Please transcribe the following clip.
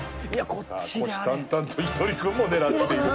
虎視眈々とひとり君も狙っている。